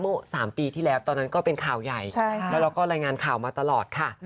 เมื่อ๓ปีที่แล้วตอนนั้นก็เป็นข่าวใหญ่แล้วเราก็รายงานข่าวมาตลอดค่ะ